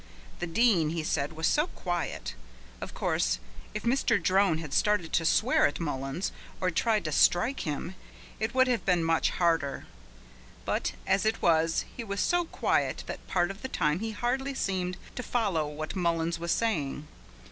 The Dean, he said, was so quiet. Of course if Mr. Drone had started to swear at Mullins, or tried to strike him, it would have been much harder. But as it was he was so quiet that part of the time he hardly seemed to follow what Mullins was saying.